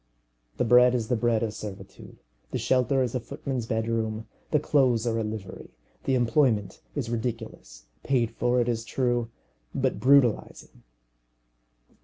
The bread is the bread of servitude, the shelter is a footman's bedroom, the clothes are a livery, the employment is ridiculous, paid for, it is true, but brutalizing.